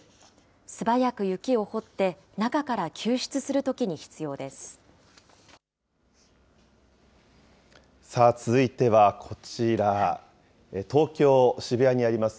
素早く雪を掘って、中から救出するときに必要です。